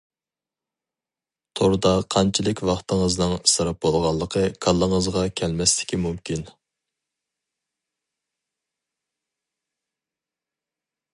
توردا قانچىلىك ۋاقتىڭىزنىڭ ئىسراپ بولغانلىقى كاللىڭىزغا كەلمەسلىكى مۇمكىن.